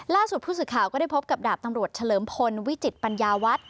ล่าสุดผู้สื่อข่าวก็ได้พบกับดาบตำรวจเฉลิมพลวิจิตปัญญาวัฒน์